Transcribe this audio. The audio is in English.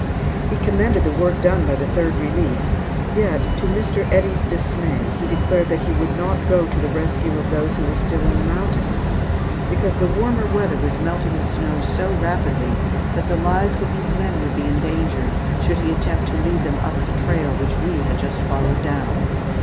He commended the work done by the Third Relief; yet, to Mr. Eddy's dismay, he declared that he would not go to the rescue of those who were still in the mountains, because the warmer weather was melting the snow so rapidly that the lives of his men would be endangered should he attempt to lead them up the trail which we had just followed down.